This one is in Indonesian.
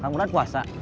kamu kan puasa